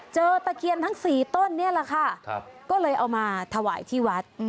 ตะเคียนทั้ง๔ต้นนี่แหละค่ะก็เลยเอามาถวายที่วัด